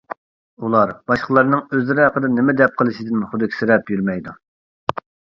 ئۇلار باشقىلارنىڭ ئۆزلىرى ھەققىدە نېمە دەپ قېلىشىدىن خۇدۈكسىرەپ يۈرمەيدۇ.